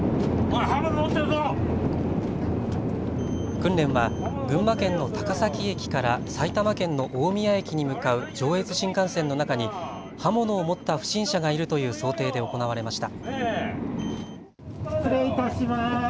訓練は群馬県の高崎駅から埼玉県の大宮駅に向かう上越新幹線の中に刃物を持った不審者がいるという想定で行われました。